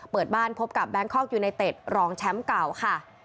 เปิดบ้านพบกับแบงคอกยูไนเต็ดรองแชมป์เก่าค่ะ